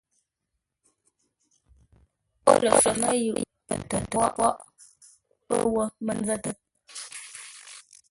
Ó ləfəmə́ yʉʼ pətə́ póghʼ pə́ wó mə nzə́tə́.